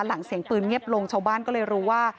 เสียงปืนเงียบลงชาวบ้านก็เลยรู้ว่า